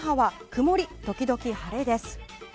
曇り時々晴れです。